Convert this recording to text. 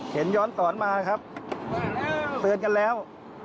เตือนกันแล้ว